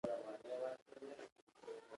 که هغه له نورو سره برابر ونه ګڼو.